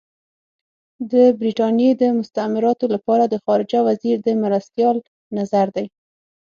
دا د برټانیې د مستعمراتو لپاره د خارجه وزیر د مرستیال نظر دی.